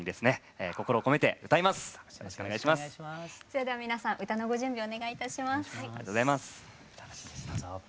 それでは皆さん歌のご準備をお願いいたします。